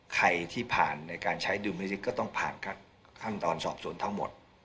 ใครที่ผ่านในการใช้ดุลมินิษฐ์ก็ต้องผ่านขั้นตอนสอบสวนทั้งหมด